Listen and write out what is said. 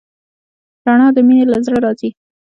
رڼا د مینې له زړه راځي.